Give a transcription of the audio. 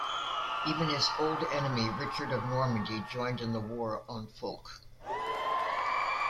Even his old enemy, Richard of Normandy joined in the war on Fulk.